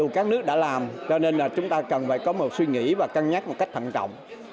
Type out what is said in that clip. các nước đã làm cho nên là chúng ta cần phải có một suy nghĩ và cân nhắc một cách thận trọng